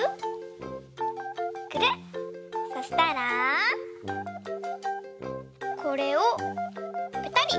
そしたらこれをぺたり。